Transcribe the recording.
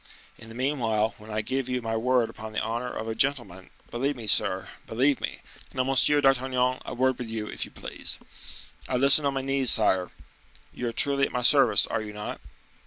In the meanwhile, when I give you my word upon the honor of a gentleman, believe me, sir, believe me! Now, Monsieur d'Artagnan, a word with you, if you please." "I listen on my knees, sire." "You are truly at my service, are you not?"